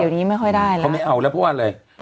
เดี๋ยวนี้ไม่ค่อยได้แล้วเขาไม่เอาแล้วเพราะว่าอะไร